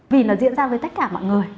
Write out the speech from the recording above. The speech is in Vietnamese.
vì nó diễn ra với tất cả mọi người